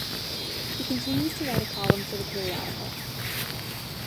He continues to write a column for the periodical.